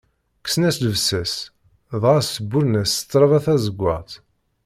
Kksen-as llebsa-s dɣa sburren-as s tlaba tazeggaɣt.